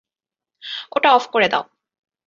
ওটা অফ করে দাও।